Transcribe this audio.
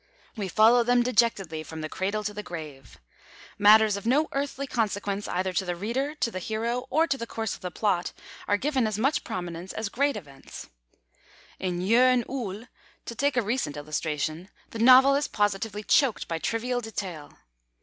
We follow them dejectedly from the cradle to the grave. Matters of no earthly consequence either to the reader, to the hero, or to the course of the plot, are given as much prominence as great events. In Jörn Uhl, to take a recent illustration, the novel is positively choked by trivial detail.